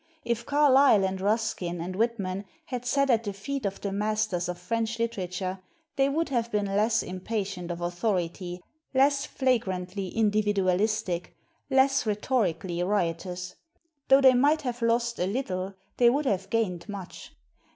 If Carlyle and Ruskin and Whitman had sat at the feet of the masters of French literature, they would have been less impatient of authority, less flagrantly individualistic, less rhetorically riot ous. Though they might have lost a little they would have gained much.